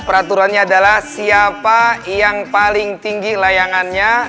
peraturannya adalah siapa yang paling tinggi layangannya